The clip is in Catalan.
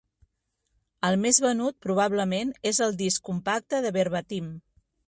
El més venut, probablement, és el disc compacte de Verbatim.